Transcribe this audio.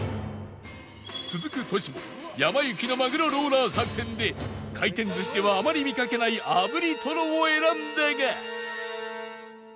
続くトシもやま幸のまぐろローラー作戦で回転寿司ではあまり見かけない炙りとろを選んだが